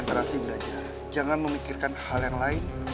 terima kasih raya